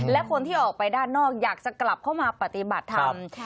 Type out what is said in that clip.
และคนที่ออกไปด้านนอกอยากจะกลับเข้ามาปฏิบัติธรรม